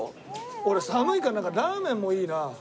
俺寒いからラーメンもいいな。